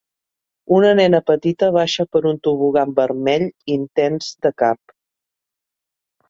Una nena petita baixa per un tobogan vermell intens de cap.